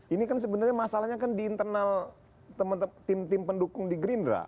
ini kan sebenarnya masalahnya kan di internal tim tim pendukung di gerindra